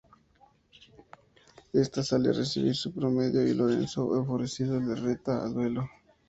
Ésta sale a recibir a su prometido y Lorenzo, enfurecido, le reta a duelo.